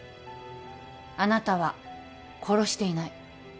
あなたは殺していない。